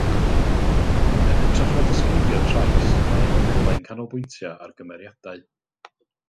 Yn hytrach na disgrifio trais mae ei nofelau'n canolbwyntio ar gymeriadu.